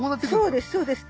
そうですそうです！